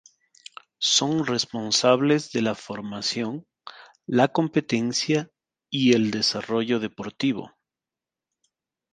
Son responsables de la formación, la competencia y el desarrollo deportivo.